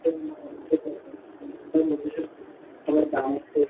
রাজা মশাই চাননি কোনও অতিথি আসুক!